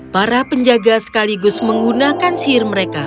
para penjaga sekaligus menggunakan sihir mereka